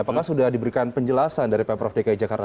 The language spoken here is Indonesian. apakah sudah diberikan penjelasan dari pemprov dki jakarta